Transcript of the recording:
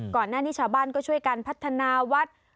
ก่อนหน้านี้ชาวบ้านก็ช่วยกันพัฒนาวัด